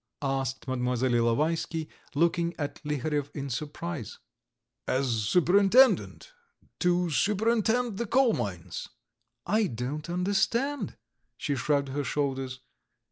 asked Mlle. Ilovaisky, looking at Liharev in surprise. "As superintendent. To superintend the coal mines." "I don't understand!" she shrugged her shoulders.